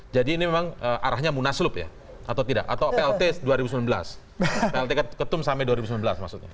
jadi ini memang arahnya munaslup ya atau tidak atau plt dua ribu sembilan belas plt ketum sampai dua ribu sembilan belas maksudnya